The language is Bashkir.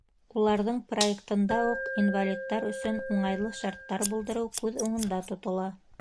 Уларҙың проектында уҡ инвалидтар өсөн уңайлы шарттар булдырыу күҙ уңында тотола.